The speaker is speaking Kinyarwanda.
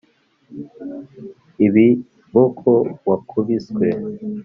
ibiboko wakubiswe